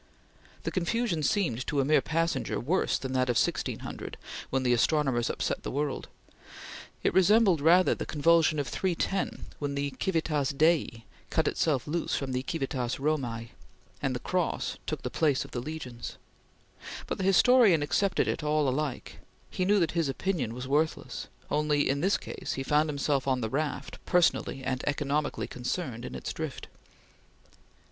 The confusion seemed, to a mere passenger, worse than that of 1600 when the astronomers upset the world; it resembled rather the convulsion of 310 when the Civitas Dei cut itself loose from the Civitas Romae, and the Cross took the place of the legions; but the historian accepted it all alike; he knew that his opinion was worthless; only, in this case, he found himself on the raft, personally and economically concerned in its drift.